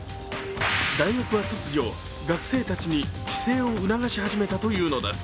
大学は突如、学生たちに帰省を促し始めたというのです。